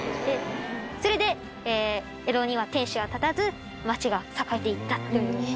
それで江戸には天守が建たず町が栄えていったという。